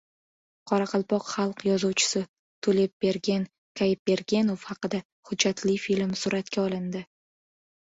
Qoraqalpoq xalq yozuvchisi Tulepbergen Kaipbergenov haqida hujjatli film suratga olindi